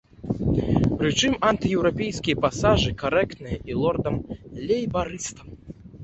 Прычым антыеўрапейскі пасажы характэрныя і лордам-лейбарыстам.